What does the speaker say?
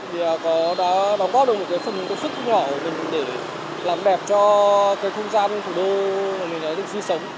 vì đã báo góp được một phần công sức nhỏ của mình để làm đẹp cho cái không gian thủ đô mà mình đã được duy sống